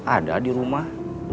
ada di rumah